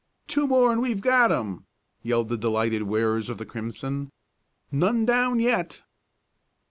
"Two more and we've got 'em!" yelled the delighted wearers of the crimson. "None down yet."